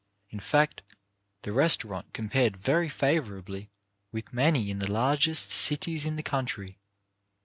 In fact the restau rant compared very favourably with many in the largest cities in the country.